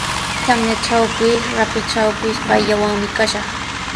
Tamyatrawpis, rapitrawpis payllawanmi kashaq.